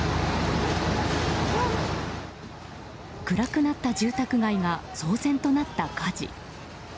暗くなった住宅街が騒然となった火事。